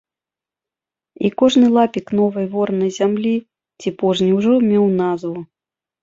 І кожны лапік новай ворнай зямлі ці пожні ўжо меў назву.